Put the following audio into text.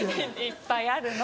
いっぱいあるの。